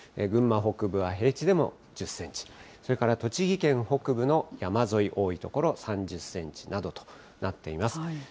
群馬北部は平地でも１０センチ、それから栃木県北部の山沿い、多い所３０センチなどとなっています。